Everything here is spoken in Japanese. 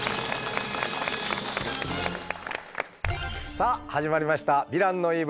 さあ始まりました「ヴィランの言い分」。